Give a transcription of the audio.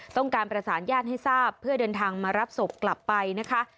ต้องการประสานญาติให้ทราบเพื่อเดินทางมารับศพกลับไปนะคะ